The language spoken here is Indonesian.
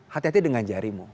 hati hati dengan jarimu